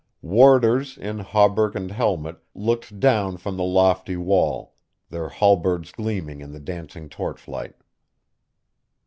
Warders in hauberk and helmet looked down from the lofty wall, their halberds gleaming in the dancing torchlight.